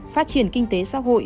phát triển kinh tế xã hội